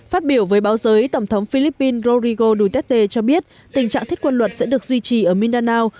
phát biểu với báo giới tổng thống philippines rodrigo duterte cho biết tình trạng thiết quân luật sẽ được duy trì ở mindanao